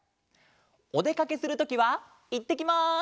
おでかけするときはいってきます！